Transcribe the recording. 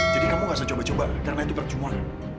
jadi kamu gak usah coba coba karena itu percuma